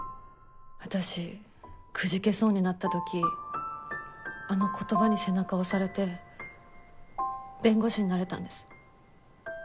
私くじけそうになった時あの言葉に背中を押されて弁護士になれたんです。